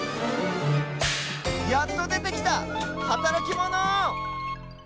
やっとでてきたはたらきモノ！